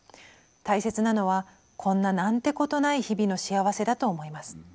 大切なのはこんな何てことない日々の幸せだと思います。